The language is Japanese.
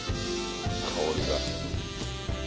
香りが。